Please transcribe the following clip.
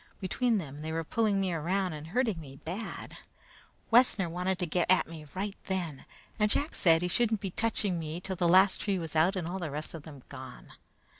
Between them they were pulling me around and hurting me bad. Wessner wanted to get at me right then, and Jack said he shouldn't be touching me till the last tree was out and all the rest of them gone.